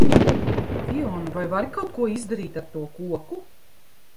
Fiona, vai vari kaut ko izdarīt ar to koku?